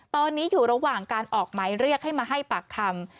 ตอนนี้อยู่ระหว่างการออกหมายเรียกให้มาให้ปากคำ